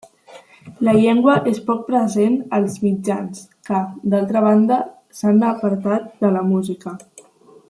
La llengua és poc present als mitjans, que, d'altra banda, s'han apartat de la música.